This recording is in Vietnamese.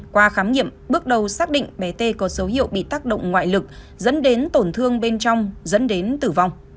qua khám nghiệm bước đầu xác định bé t có dấu hiệu bị tác động ngoại lực dẫn đến tổn thương bên trong dẫn đến tử vong